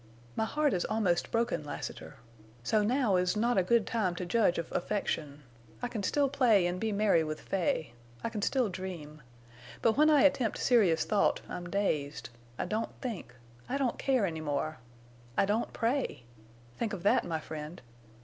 My heart is almost broken, Lassiter. So now is not a good time to judge of affection. I can still play and be merry with Fay. I can still dream. But when I attempt serious thought I'm dazed. I don't think. I don't care any more. I don't pray!... Think of that, my friend!